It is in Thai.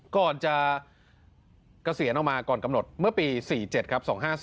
ก่อนจะเกษียณออกมาก่อนกำหนดเมื่อปี๔๗ครับ